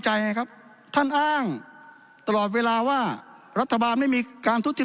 ใจไงครับท่านอ้างตลอดเวลาว่ารัฐบาลไม่มีการทุจริต